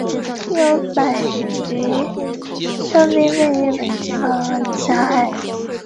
阳宗镇是中国云南省玉溪市澄江县下辖的一个镇。